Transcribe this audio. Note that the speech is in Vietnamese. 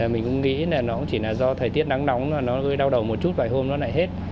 mình cũng nghĩ là nó chỉ là do thời tiết nắng nóng nó đau đầu một chút vài hôm nó lại hết